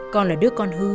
con là đứa con hư